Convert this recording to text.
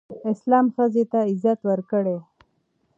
اسلام ښځې ته عزت ورکړی